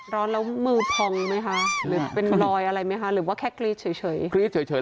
ร้อนแล้วมือพองไหมคะหรือเป็นรอยอะไรไหมคะหรือว่าแค่กรี๊ดเฉยกรี๊ดเฉย